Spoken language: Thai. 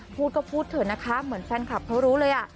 พูดก็พูดเถอะนะคะเหมือนแฟนคลับเขารู้เลย